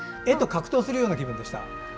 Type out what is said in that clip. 絵と格闘するような気分でした。